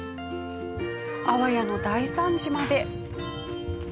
あわやの大惨事まで。